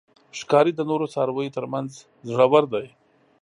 ښکاري د نورو څارویو تر منځ زړور دی.